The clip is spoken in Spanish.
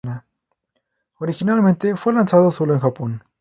Originalmente fue lanzado solo en Japón.